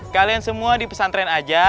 kalian semua di pesantren aja